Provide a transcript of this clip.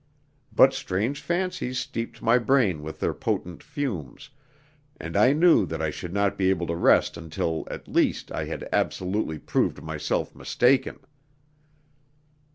But strange fancies steeped my brain with their potent fumes, and I knew that I should not be able to rest until, at least, I had absolutely proved myself mistaken.